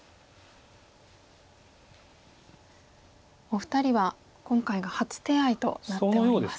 お二人は今回が初手合となっております。